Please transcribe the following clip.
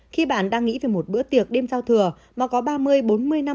khi bạn đang nghĩ về một bữa tiệc đêm giao thừa mà có ba mươi bốn mươi năm